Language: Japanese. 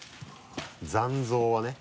残像はね。